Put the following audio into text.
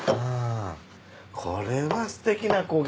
これはすてきな光景。